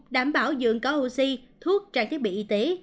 đảm bảo dưỡng có oxy thuốc trang thiết bị y tế